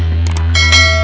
jangan lupa like